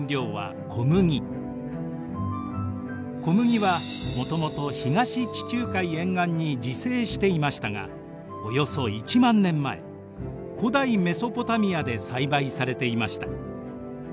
小麦はもともと東地中海沿岸に自生していましたがおよそ１万年前古代メソポタミアで栽培されていました。